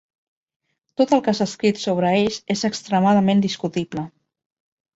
Tot el que s'ha escrit sobre ells és extremadament discutible.